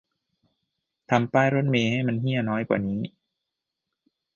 ทำป้ายรถเมล์ให้มันเหี้ยน้อยกว่านี้